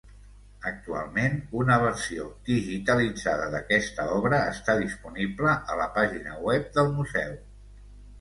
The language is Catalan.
Actualment, una versió digitalitzada d'aquesta obra està disponible a la pàgina web del museu.